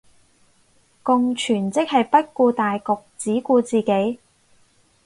共存即係不顧大局只顧自己